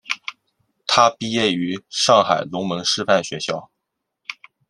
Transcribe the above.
他毕业于上海龙门师范学校。